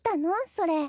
それ。